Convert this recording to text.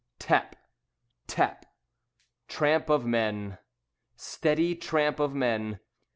Tap! Tap! Tramp of men. Steady tramp of men.